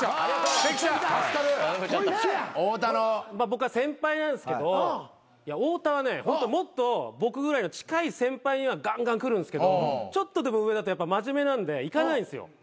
僕先輩なんすけど太田はねホントもっと僕ぐらいの近い先輩にはがんがんくるんすけどちょっとでも上だと真面目なんでいかないんすよ。